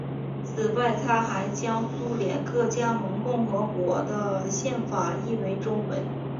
此外他还将苏联各加盟共和国的宪法译为中文。